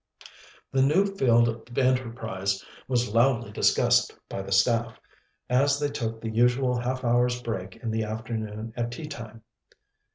The new field of enterprise was loudly discussed by the staff, as they took the usual half hour's break in the afternoon at tea time.